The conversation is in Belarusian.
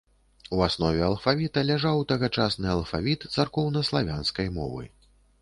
У аснове алфавіта ляжаў тагачасны алфавіт царкоўнаславянскай мовы.